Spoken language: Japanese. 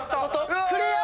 クリア！